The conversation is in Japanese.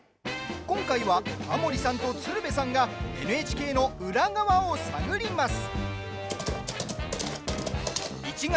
今回は、タモリさんと鶴瓶さんがＮＨＫの裏側を探ります。